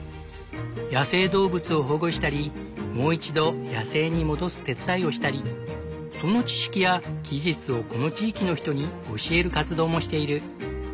野生動物を保護したりもう一度野生に戻す手伝いをしたりその知識や技術をこの地域の人に教える活動もしている。